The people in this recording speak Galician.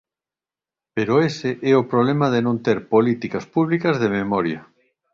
Pero ese é o problema de non ter políticas públicas de memoria.